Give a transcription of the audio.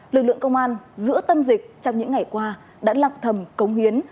lực lượng công an giữa tâm dịch trong những ngày qua đã lọc thầm cống hiến